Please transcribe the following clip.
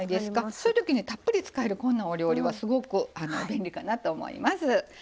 そういうときたっぷり使えるこんなお料理はすごく便利かなと思います。